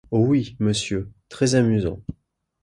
Oh oui, Monsieur, très amusant !